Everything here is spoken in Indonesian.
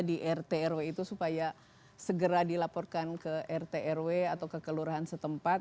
di rt rw itu supaya segera dilaporkan ke rt rw atau ke kelurahan setempat